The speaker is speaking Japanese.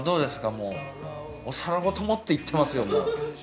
もうお皿ごと持っていってますよ。